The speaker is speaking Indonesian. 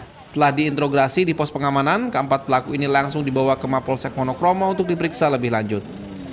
setelah diinterograsi di pos pengamanan keempat pelaku ini langsung dibawa ke mapolsek monokromo untuk diperiksa lebih lanjut